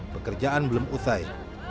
pekerjaan belum usai